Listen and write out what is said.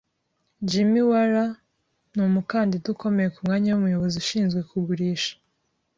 Jim Waller numukandida ukomeye kumwanya wumuyobozi ushinzwe kugurisha.